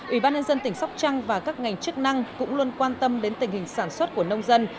ủy ban nhân dân tỉnh sóc trăng và các ngành chức năng cũng luôn quan tâm đến tình hình sản xuất của nông dân